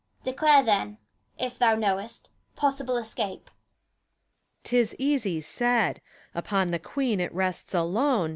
Declare then, if thou knowest, possible escape! PHORKYAS. 'T is easy said. Upon the Queen it rests alone.